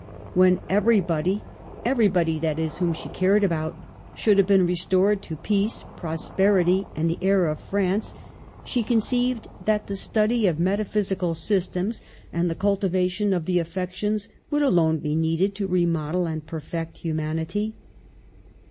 When everybody Digitized by VjOOQLC RETIRES TO COPPET 77 (everybody, that is, whom she cared about) should have been restored to peace, prosperity, and the air of France, she conceived that the study of metaphysical systems and the cultivation of the affections would alone be needed to re model and perfect humanity.